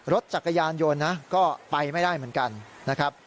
รถจักรยานยนต์นะก็ไปไม่ได้เหมือนกันนะครับ